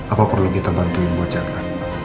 apa perlu kita bantuin buat jaga